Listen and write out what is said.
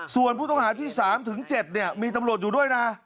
ส่วนผู้ต้องหาที่๓๗มีตำรวจอยู่ด้วยนะ